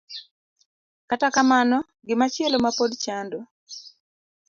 Kata kamano, gimachielo ma pod chando